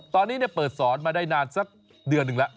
ตอนนี้เปิดสอนมาได้นานสักเดือนหนึ่งแล้ว